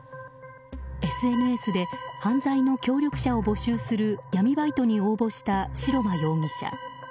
ＳＮＳで犯罪の協力者を募集する闇バイトに応募した白間容疑者。